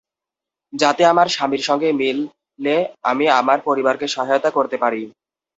যাতে আমার স্বামীর সঙ্গে মিলে আমি আমার পরিবারকে সহায়তা করতে পারি।